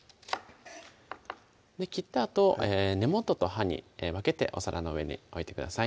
切ったあと根元と葉に分けてお皿の上に置いてください